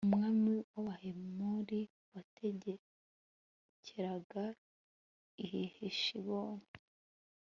umwami w'abahemori wategekeraga i heshiboni